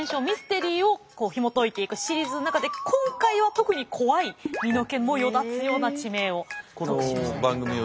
ミステリーをひもといていくシリーズの中で今回は特に怖い身の毛もよだつような地名を特集したいと思います。